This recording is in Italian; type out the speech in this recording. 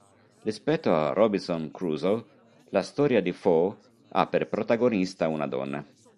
Rispetto a "Robinson Crusoe", la storia di "Foe" ha per protagonista una donna.